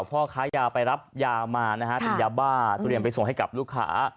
พ่อค้ายาไปรับยามานะฮะเป็นยาบ้าเตรียมไปส่งให้กับลูกค้า